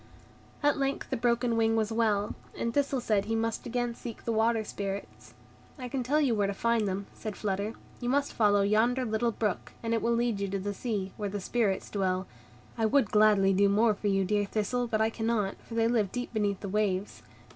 At length the broken wing was well, and Thistle said he must again seek the Water Spirits. "I can tell you where to find them," said Flutter; "you must follow yonder little brook, and it will lead you to the sea, where the Spirits dwell. I would gladly do more for you, dear Thistle, but I cannot, for they live deep beneath the waves.